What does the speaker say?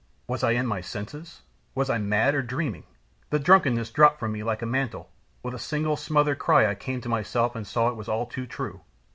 Was I in my senses? Was I mad, or dreaming? The drunkenness dropped from me like a mantle; with a single, smothered cry I came to myself and saw that it was all too true.